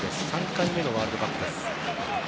３回目のワールドカップです。